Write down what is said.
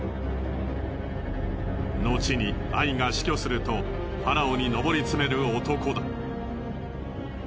後にアイが死去するとファラオにのぼり詰める男だ。